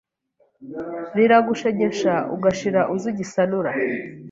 Riragushegesha ugashira Uzi Gisanura